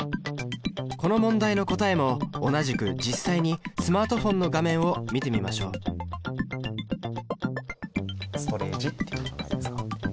この問題の答えも同じく実際にスマートフォンの画面を見てみましょうストレージっていうのがあります。